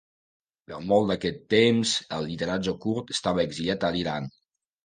Per molt d'aquest temps, el lideratge kurd estava exiliat a l'Iran.